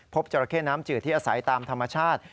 จราเข้น้ำจืดที่อาศัยตามธรรมชาติ